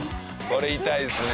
これ痛いですね。